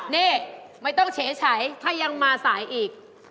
นี่ไม่ต้องเฉยถ้ายังมาสายอีก